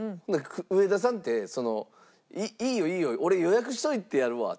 上田さんってその「いいよいいよ俺予約しといてやるわ」って言って。